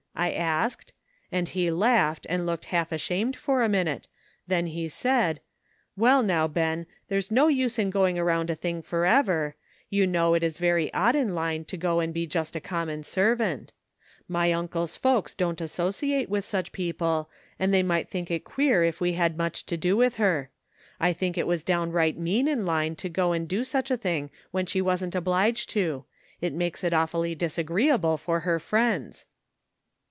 I asked, and he laughed, and looked half ashamed for a minute; then he said: * Well, now, Ben, there's no use in going around a thing forever; you know it is very odd in Line to go and be just a common servant. ' MACHINES AND NEWS, 269 My uncle's folks don't associate with such people, and they might think it queer if we had much to do with her. I think it was downright mean in Line to go and do such a thing when she wasn't obliged to; it makes it awfully disagreeable for her friends.